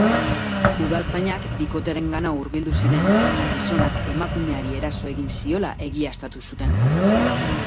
Udaltzainak bikotearengana hurbildu ziren, eta gizonak emakumeari eraso egin ziola egiaztatu zuten.